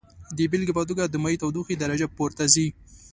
د بیلګې په توګه د مایع تودوخې درجه پورته ځي.